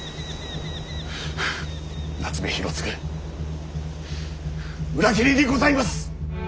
夏目広次裏切りにございます！